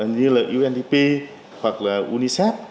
như là undp hoặc là unicef